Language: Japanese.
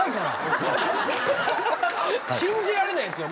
信じられないですよ。